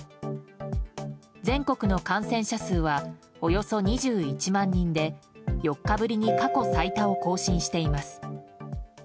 全国の感染者数はおよそ２１万人で４日ぶりに過去最多を更新しています。